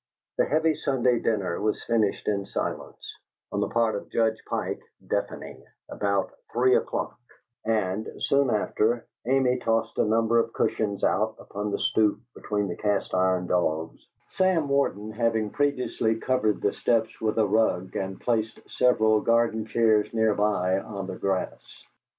The heavy Sunday dinner was finished in silence (on the part of Judge Pike, deafening) about three o'clock, and, soon after, Mamie tossed a number of cushions out upon the stoop between the cast iron dogs, Sam Warden having previously covered the steps with a rug and placed several garden chairs near by on the grass.